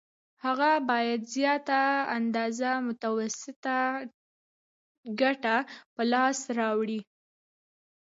هغه باید زیاته اندازه متوسطه ګټه په لاس راوړي